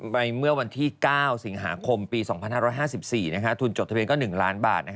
เมื่อวันที่๙สิงหาคมปี๒๕๕๔ทุนจดทะเบียนก็๑ล้านบาท